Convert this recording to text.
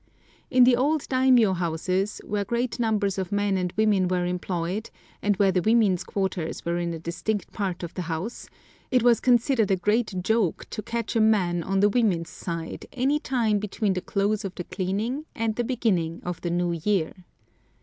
In the old daimiō houses, where great numbers of men and women were employed, and where the women's quarters were in a distinct part of the house, it was considered a great joke to catch a man on the women's side any time between the close of the cleaning and the beginning of the new year.